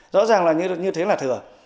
rõ ràng là như thế là thừa